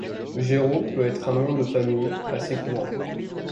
Géraud peut être un nom de famille, assez courant.